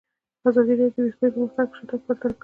ازادي راډیو د بیکاري پرمختګ او شاتګ پرتله کړی.